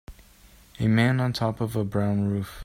A man on top of a brown roof.